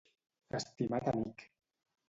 Estimat amic.